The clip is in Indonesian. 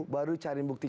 baru cari bukti